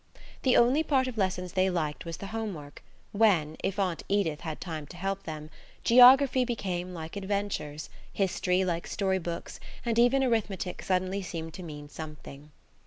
The only part of lessons they liked was the home work, when, if Aunt Edith had time to help them, geography became like adventures, history like story books, and even arithmetic suddenly seemed to mean something.